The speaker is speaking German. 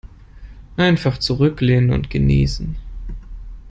Einfach zurücklehnen und genießen.